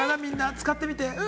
使ってみて。